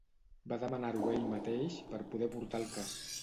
Va demanar-ho ell mateix per poder portar el cas.